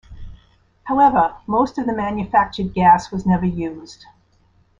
However, most of the manufactured gas was never used.